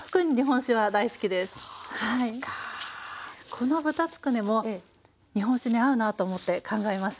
この豚つくねも日本酒に合うなと思って考えました。